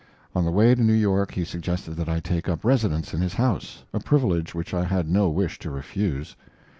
On the way to New York he suggested that I take up residence in his house a privilege which I had no wish to refuse.